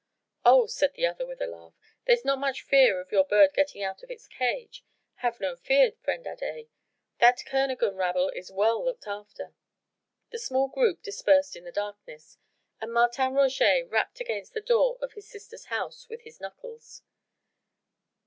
"Oh!" said the other with a laugh, "there's not much fear of your bird getting out of its cage. Have no fear, friend Adet! That Kernogan rabble is well looked after." The small group dispersed in the darkness and Martin Roget rapped against the door of his sister's house with his knuckles.